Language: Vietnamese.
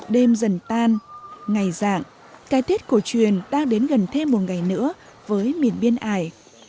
đêm dần tan ngày dạng cái tết cổ truyền đang đến gần thêm một ngày nữa với miền biên ải